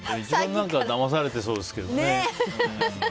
一番だまされてそうですけどね。